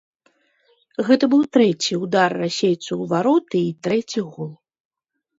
Гэта быў трэці ўдар расейцаў у вароты і трэці гол.